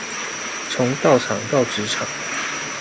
從道場到職場